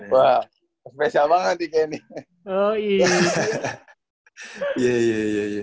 wah spesial banget nih kayaknya nih